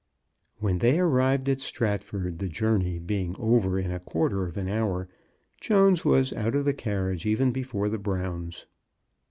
When they arrived at Stratford, the journey being over in a quarter of an hour, Jones was out of the carriage even before the Browns.